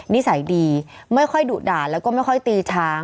นิสัยดีไม่ค่อยดุด่าแล้วก็ไม่ค่อยตีช้าง